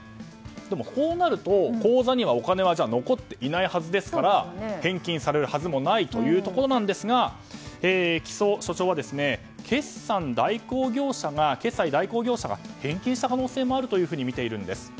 こうなると、口座にはお金は残っていないはずですから返金されるはずもないというところなんですが木曽所長は決済代行業者が返金した可能性もあるとみているんです。